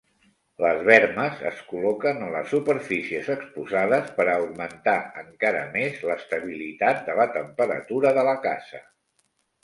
Les bermes es col·loquen en les superfícies exposades per a augmentar encara més l'estabilitat de la temperatura de la casa.